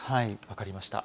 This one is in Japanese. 分かりました。